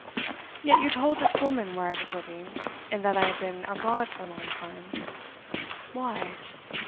'Yet you told this woman where I was living, and that I had been abroad for a long time. Why?